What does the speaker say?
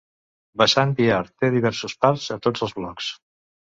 Vasant Vihar té diversos parcs a tots els blocs.